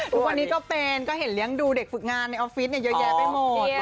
ทุกวันนี้ก็เป็นก็เห็นเลี้ยงดูเด็กฝึกงานในออฟฟิศเยอะแยะไปหมด